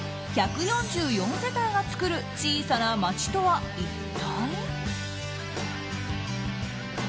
１４４世帯が作る小さな街とは一体？